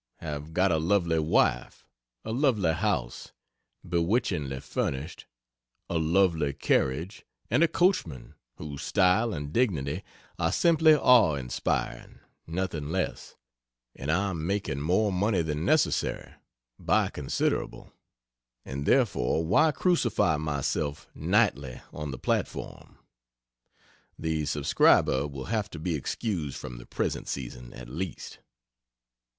Have got a lovely wife; a lovely house, bewitchingly furnished; a lovely carriage, and a coachman whose style and dignity are simply awe inspiring nothing less and I am making more money than necessary by considerable, and therefore why crucify myself nightly on the platform. The subscriber will have to be excused from the present season at least.